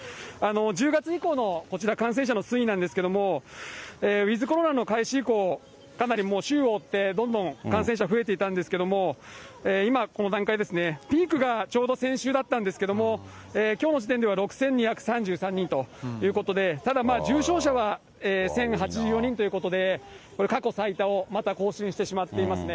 １０月以降のこちら、感染者の推移なんですけれども、ウィズコロナの開始以降、かなりもう週を追ってどんどん感染者増えていたんですけれども、今、この段階ですね、ピークがちょっと先週だったんですけども、きょうの時点では６２３３人ということで、ただ重症者は１０８４人ということで、これ、過去最多をまた更新してしまっていますね。